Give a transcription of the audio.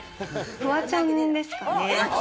フワちゃんですかね。